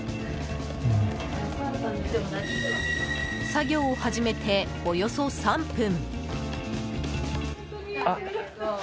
作業を始めて、およそ３分。